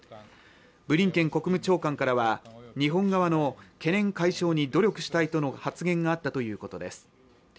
ブリンケン国務長官からは日本側の懸念解消に努力したいとの発言があったということです